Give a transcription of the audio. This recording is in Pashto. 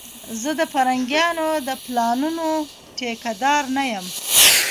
زه د پرنګيانو د پلانونو ټيکه دار نه یم